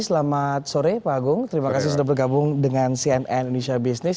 pemilai terima kasih sudah bergabung dengan cnn indonesia business